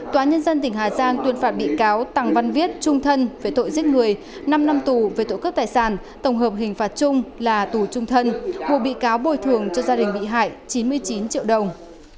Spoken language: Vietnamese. tòa nhân dân tỉnh hà giang tuyên phạt bị cáo tằng văn viết trung thân về tội giết người năm năm tù về tội cướp tài sản tổng hợp hình phạt chung là tù trung thân buộc bị cáo bồi thường cho gia đình bị hại chín mươi chín triệu đồng